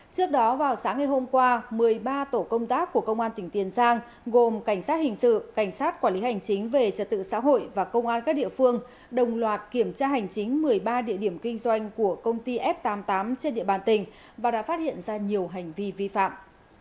trước đó vào sáng ngày hôm qua một mươi ba tổ công tác của công an tỉnh tiền giang gồm cảnh sát hình sự cảnh sát quản lý hành chính về trật tự xã hội và công an các địa phương đồng loạt kiểm tra hành chính một mươi ba địa điểm kinh doanh của công ty f tám mươi tám trên địa bàn tỉnh và đã phát hiện ra nhiều hành vi vi phạm